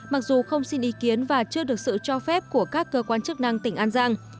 mặc dù không xin ý kiến và chưa được sự cho phép của các cơ quan chức năng tỉnh an giang